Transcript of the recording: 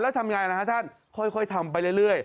แล้วทำอย่างไรล่ะฮะท่านค่อยทำไปเรื่อย